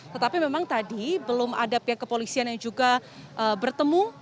tetapi memang tadi belum ada pihak kepolisian yang juga bertemu